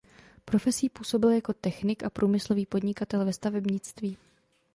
Profesí působil jako technik a průmyslový podnikatel ve stavebnictví.